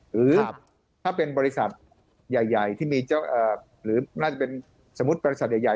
หรือถ้าเป็นบริษัทใหญ่ที่มีหรือน่าจะเป็นสมมุติบริษัทใหญ่